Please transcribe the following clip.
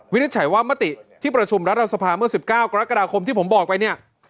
วินิจฉัยว่ามติที่ประชุมรัฐธรรมนูลเมื่อ๑๙กรกฎาคมที่ผมบอกไป